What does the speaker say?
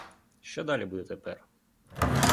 Що то далі буде тепер?